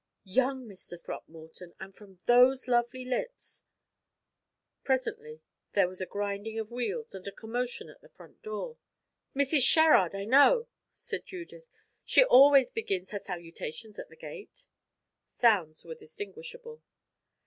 Young Mr. Throckmorton! and from those lovely lips! Presently there was a grinding of wheels, and a commotion at the front door. "Mrs. Sherrard, I know!" said Judith. "She always begins her salutations at the gate." Sounds were distinguishable.